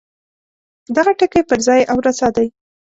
دغه ټکی پر ځای او رسا دی.